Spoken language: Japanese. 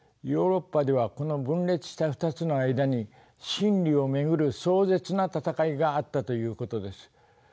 ヨーロッパではこの分裂した２つの間に真理を巡る壮絶な戦いがあったということです。